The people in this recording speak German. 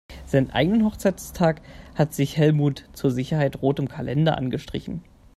Seinen eigenen Hochzeitstag hat sich Helmut zur Sicherheit rot im Kalender angestrichen.